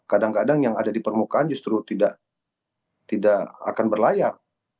kadang kadang yang ada di permukaan justru tidak akan berlayar